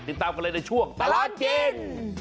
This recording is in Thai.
ติดตามกันเลยในช่วงตลอดกิน